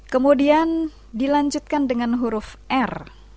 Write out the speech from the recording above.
kemudian dilanjutkan dengan huruf r